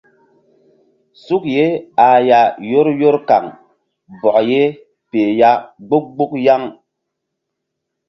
Suk ye ah ya yor yor kaŋ bɔk ye peh ya mgbuk mgbuk yaŋ.